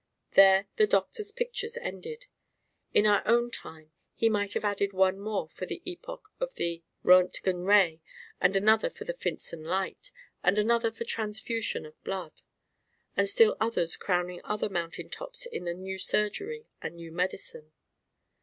There the doctor's pictures ended. In our own time he might have added one more for the epoch of the Roentgen Ray and another for the Finsen Light; and another for transfusion of blood; and still others crowning other mountain tops in the new Surgery and new Medicine.